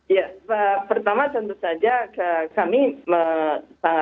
ya pertama tentu saja